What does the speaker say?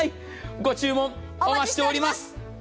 ご注文、お待ちしております！